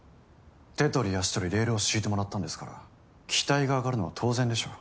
手取り足取りレールを敷いてもらったんですから期待が上がるのは当然でしょう。